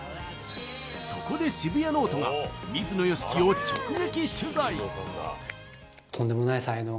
そこで「シブヤノオト」が水野良樹を直撃取材！